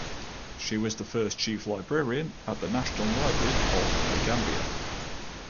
She was the first Chief Librarian at the National Library of The Gambia.